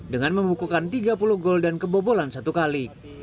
dengan membukukan tiga puluh gol dan kebobolan satu kali